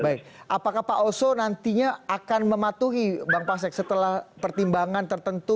baik apakah pak oso nantinya akan mematuhi bang pasek setelah pertimbangan tertentu